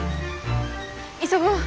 急ごう。